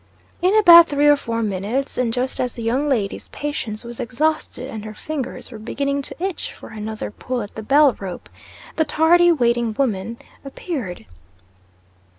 In about three or four minutes, and just as the young lady's patience was exhausted and her fingers were beginning to itch for another pull at the bell rope, the tardy waiting women appeared.